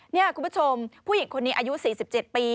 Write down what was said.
นี่คุณผู้ชมผู้หญิงคนนี้อายุ๔๗ปี